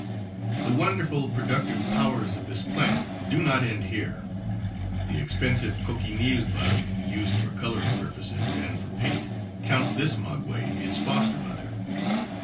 The wonderful productive powers of this plant do not end here. The expensive cochineal bug, used for coloring purposes and for paint, counts this maguey its foster mother.